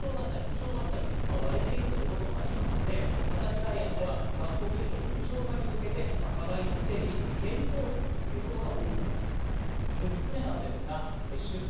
現在、自治体によって有償だったり無償だったり割れているということもありますので、たたき台案では学校給食の無償化に向けて課題の整理・検討ということが盛り込まれています。